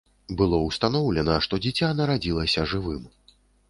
Было ўстаноўлена, што дзіця нарадзілася жывым.